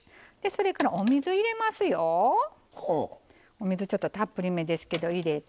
お水ちょっとたっぷりめですけど入れて。